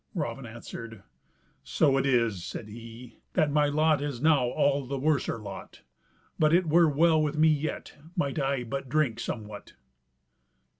Raven answered: "So it is," said he, "that my lot is now all the worser lot, but it were well with me yet, might I but drink somewhat."